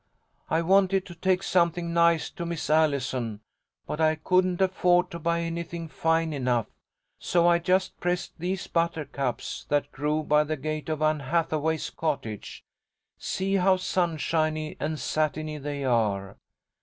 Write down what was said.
"I wanted to take something nice to Miss Allison, but I couldn't afford to buy anything fine enough. So I just pressed these buttercups that grew by the gate of Anne Hathaway's cottage. See how sunshiny and satiny they are?